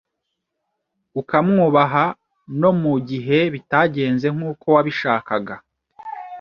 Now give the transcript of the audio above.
ukamwubaha no mu gihe bitagenze nk’uko wabishakaga,